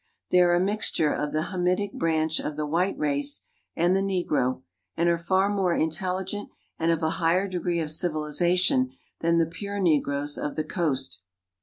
They are a mixture of the Hamitic branch of the white race and the ne gro, and are far more in telligent and of a higher degree of civilization than the pure negroes of the coast.